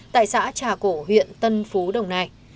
tại xã trà cổ huyện tân phú đồng nai